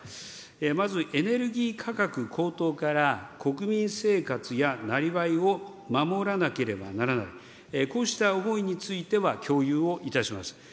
まずエネルギー価格高騰から国民生活やなりわいを守らなければならない、こうした思いについては共有をいたします。